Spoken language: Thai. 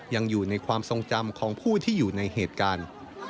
ยังอยู่ในความทรงจำของผู้ที่อยู่ในเหตุการณ์